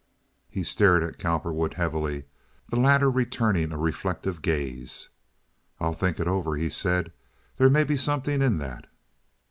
He stared at Cowperwood heavily, the latter returning a reflective gaze. "I'll think it over," he said. "There may be something in that."